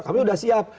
kami sudah siap